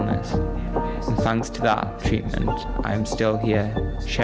terima kasih atas pengalaman itu saya masih di sini